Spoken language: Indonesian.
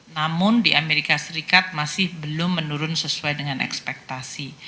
namun di amerika serikat masih belum menurun sesuai dengan ekspektasi